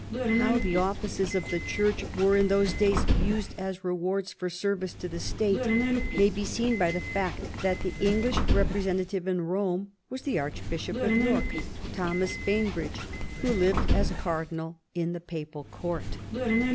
How the offices of the Church were in those days used as rewards for service to the State may be seen by the fact that the English representative in Eome was the Archbishop of York, Thomas Bainbridge, who lived as Cardinal in the Papal Court.